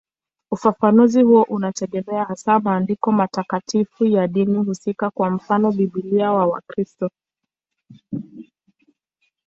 Ufafanuzi huo unategemea hasa maandiko matakatifu ya dini husika, kwa mfano Biblia kwa Wakristo.